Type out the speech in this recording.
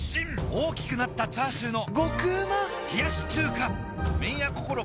大きくなったチャーシューの麺屋こころ